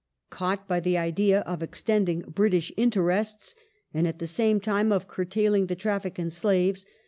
Caught by the idea of extending British interests, and at the same time of curtailing the traffic in slaves.